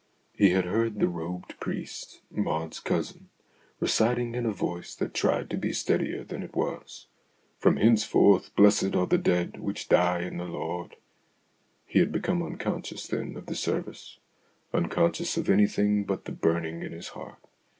He had heard the robed priest, Maud's cousin, reciting in a voice that tried to be steadier than it was :" From henceforth blessed are the dead which die in the Lord." He had become unconscious then of the service, unconscious of anything but the burning in his heart.